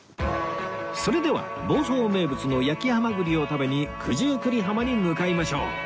それでは房総名物の焼きハマグリを食べに九十九里浜に向かいましょう